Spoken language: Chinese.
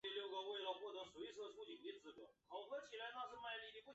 舱外活动开始及结束时间均为协调世界时时区。